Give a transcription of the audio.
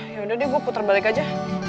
yaudah deh gue putar balik aja